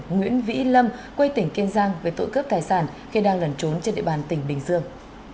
nguyễn vĩ lâm quê tỉnh kiên giang về tội cướp tài sản khi đang lẩn trốn trên địa bàn tỉnh bình dương